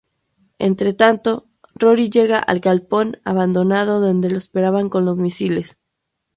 Entre tanto, Rory llega al galpón abandonado donde lo esperan con los misiles.